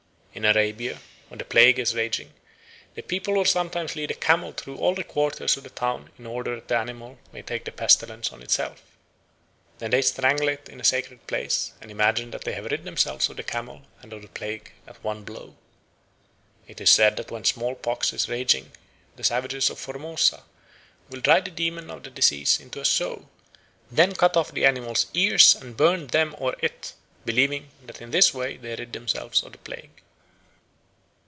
In Arabia, when the plague is raging, the people will sometimes lead a camel through all the quarters of the town in order that the animal may take the pestilence on itself. Then they strangle it in a sacred place and imagine that they have rid themselves of the camel and of the plague at one blow. It is said that when smallpox is raging the savages of Formosa will drive the demon of disease into a sow, then cut off the animal's ears and burn them or it, believing that in this way they rid themselves of the plague.